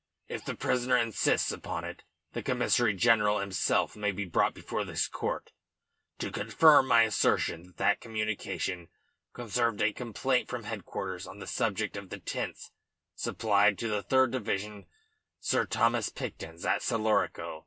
If the prisoner insists upon it, the Commissary General himself may be brought before this court to confirm my assertion that that communication concerned a complaint from headquarters on the subject of the tents supplied to the third division Sir Thomas Picton's at Celorico.